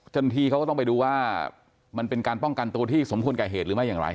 ที่เขาก็ต้องไปดูว่ามันเป็นการป้องกันตัวที่สมควรแก่เหตุหรือไม่อย่างไร